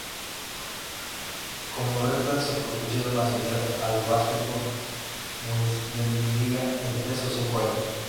Como meta se propusieron ascender a la Basketball Bundesliga en tres o cinco años.